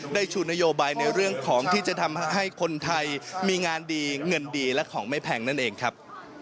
ชูนโยบายในเรื่องของที่จะทำให้คนไทยมีงานดีเงินดีและของไม่แพงนั่นเองครับ